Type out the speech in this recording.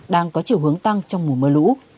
đang có chiều hướng tăng trong mùa mưa lũ